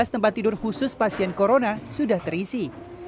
tiga belas tempat tidur khusus pasien corona sudah terisi